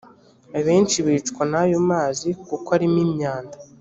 abenshi bicwa n’ayo mazi kuko arimo imyanda